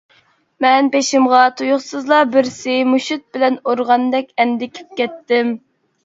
مەن بېشىمغا تۇيۇقسىزلا بىرسى مۇشت بىلەن ئۇرغاندەك ئەندىكىپ كەتتىم.